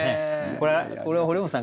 これは堀本さん